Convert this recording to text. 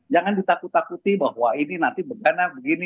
jangan ditakut takuti bahwa ini nanti begana begini